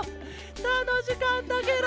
たのしかったケロ。